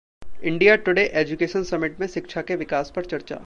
India Today education summit में शिक्षा के विकास पर चर्चा